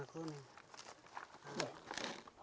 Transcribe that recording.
itu udah berapa